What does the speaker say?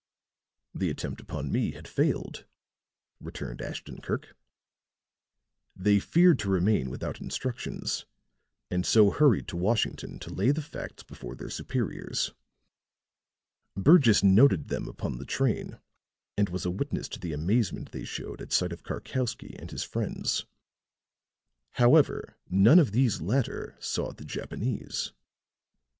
"The attempt upon me had failed," returned Ashton Kirk. "They feared to remain without instructions, and so hurried to Washington to lay the facts before their superiors. Burgess noted them upon the train, and was a witness to the amazement they showed at sight of Karkowsky and his friends. "However, none of the latter saw the Japanese.